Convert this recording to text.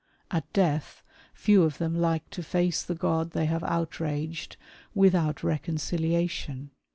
At death, few of them like to face the God tliey have outraged, without reconciliation.